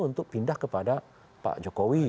untuk pindah kepada pak jokowi